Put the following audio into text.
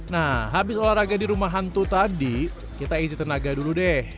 nah habis olahraga di rumah hantu tadi kita isi tenaga dulu deh